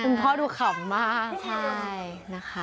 คุณพ่อดูขำมาก